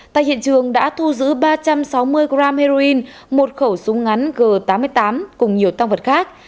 tại hiện trường đã thu giữ ba trăm sáu mươi g heroin một khẩu súng ngắn g tám mươi tám cùng nhiều tăng vật khác